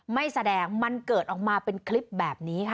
ไม่แสดงมันเกิดออกมาเป็นคลิปแบบนี้ค่ะ